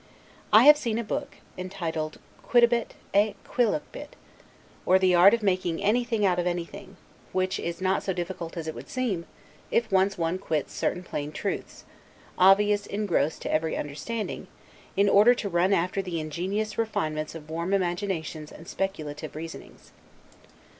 I have seen a book, entitled 'Quidlibet ex Quolibet', or the art of making anything out of anything; which is not so difficult as it would seem, if once one quits certain plain truths, obvious in gross to every understanding, in order to run after the ingenious refinements of warm imaginations and speculative reasonings.